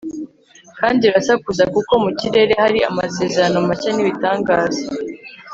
kandi irasakuza kuko mu kirere hari amasezerano mashya n'ibitangaza